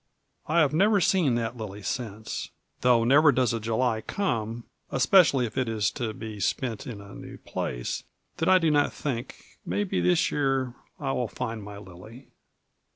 I have never seen that lily since; though never does a July come, especially if it is to be spent in a new place, that I do not think, 'Maybe this year I shall find my lily.'